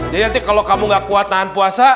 jadi nanti kalo kamu gak kuat nahan puasa